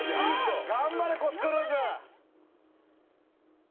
「頑張れコス・クルーズ」